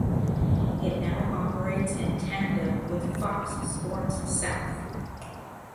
It now operates in tandem with Fox Sports South.